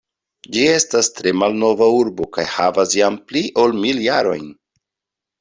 Ĝi estas tre malnova urbo kaj havas jam pli ol mil jarojn.